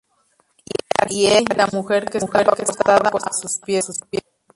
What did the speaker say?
y he aquí, la mujer que estaba acostada á sus pies.